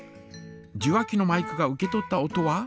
受話器のマイクが受け取った音は。